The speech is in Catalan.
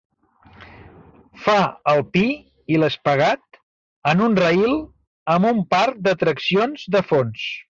Fa el pi i l'espagat en un raïl amb un parc d'atraccions de fons.